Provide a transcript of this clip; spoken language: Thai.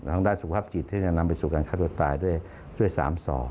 ต้องได้สุขภาพจิตที่จะนำไปสู่การฆ่าตัวตายด้วย๓๒